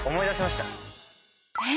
えっ？